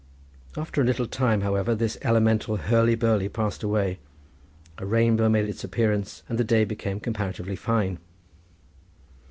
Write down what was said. After a little time, however, this elemental hurly burly passed away, a rainbow made its appearance and the day became comparatively fine.